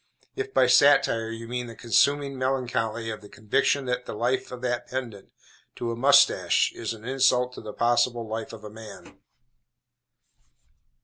if by satire you mean the consuming melancholy of the conviction that the life of that pendant to a mustache is an insult to the possible life of a man.